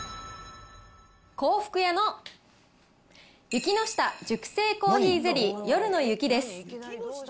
香福屋の雪の下熟成珈琲ゼリー夜の雪です。